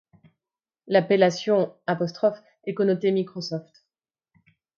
L'appellation ' est connotée Microsoft.